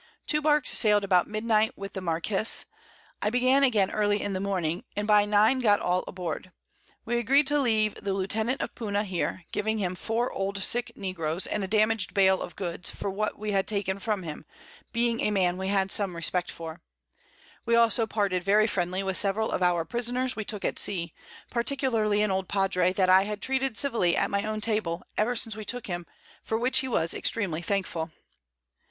Two Barks sail'd about Midnight with the Marquiss. I began again early in the Morning, and by 9 got all aboard. We agreed to leave the Lieutenant of Puna here, giving him 4 old sick Negroes, and a damag'd Bail of Goods for what we had taken from him, being a Man we had some Respect for: We also parted very friendly with several of our Prisoners we took at Sea, particularly an old Padre that I had treated civilly at my own Table, ever since we took him, for which he was extremely thankful.